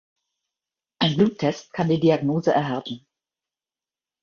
Ein Bluttest kann die Diagnose erhärten.